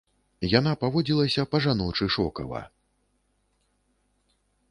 Яна паводзілася па-жаночы шокава.